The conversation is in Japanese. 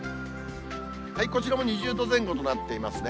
こちらも２０度前後となっていますね。